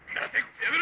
やめろ！